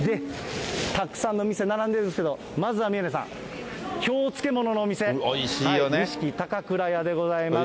たくさんの店、並んでるんですけど、まずは宮根さん、京漬物のお店、錦・高倉屋でございます。